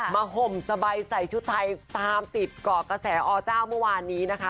ห่มสบายใส่ชุดไทยตามติดเกาะกระแสอเจ้าเมื่อวานนี้นะคะ